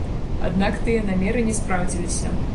Аднак тыя намеры не спраўдзіліся.